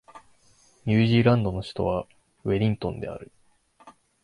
ニュージーランドの首都はウェリントンである